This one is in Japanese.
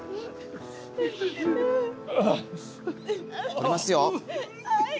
撮りますよ。